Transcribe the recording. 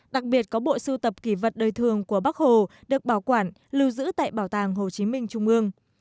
đặc biệt có bộ sưu tập kỷ vật đời thường của bắc hồ được bảo quản lưu giữ tại bảo tàng hồ chí minh trung ương